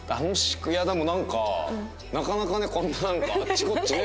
いやでもなんかなかなかねこんなあっちこっちね。